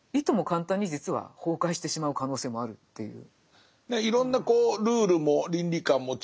簡単に実は崩壊してしまう可能性もあるっていう。